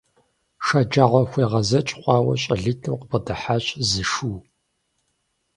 ШэджагъуэхуегъэзэкӀ хъуауэ щӀалитӀым къабгъэдыхьащ зы шу.